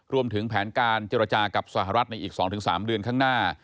รวมถึงแผนการเจรจากับสหรัฐในอีก๒๓เดือนข้างหน้า